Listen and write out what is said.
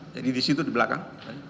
jadi disitu di belakang